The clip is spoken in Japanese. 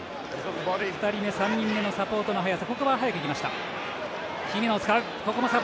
２人目３人目のサポートの速さ。